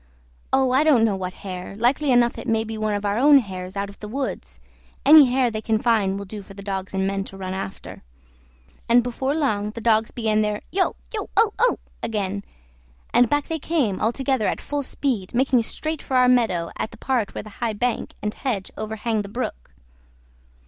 "Oh! I don't know what hare; likely enough it may be one of our own hares out of the woods; any hare they can find will do for the dogs and men to run after;" and before long the dogs began their "yo! yo, o, o!" again, and back they came altogether at full speed, making straight for our meadow at the part where the high bank and hedge overhang the brook.